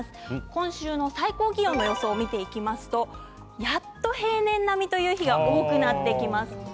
今週の最高気温の予想を見ていきますとやっと平年並みという日が多くなってきます。